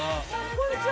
こんにちは。